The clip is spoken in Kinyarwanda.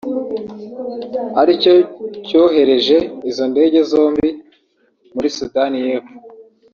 ari cyo cyohereje izo ndege zombie muri Sudani y’Epfo